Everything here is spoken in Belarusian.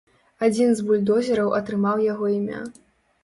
Адзін з бульдозераў атрымаў яго імя.